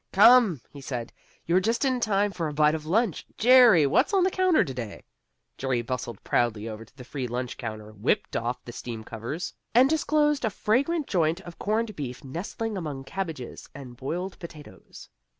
"Come," he said, "you're just in time for a bite of lunch. Jerry, what's on the counter to day?" Jerry bustled proudly over to the free lunch counter, whipped off the steam covers, and disclosed a fragrant joint of corned beef nestling among cabbages and boiled potatoes.